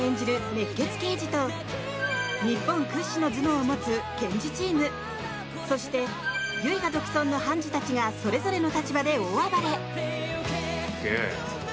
熱血刑事と日本屈指の頭脳を持つ検事チームそして唯我独尊の判事たちがそれぞれの立場で大暴れ！